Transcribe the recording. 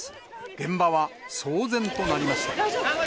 現場は騒然となりました。